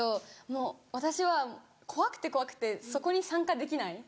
もう私は怖くて怖くてそこに参加できない。